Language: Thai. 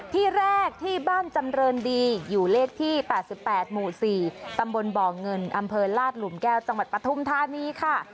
ที่แรกที่บ้านจำเรินดีอยู่เลขที่๘๘หมู่๔ตำบลบ่อเงินอำเภอลาดหลุมแก้วจังหวัดปฐุมธานีค่ะ